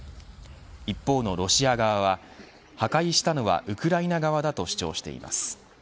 一方のロシア側は破壊したのはウクライナ側だと主張しています。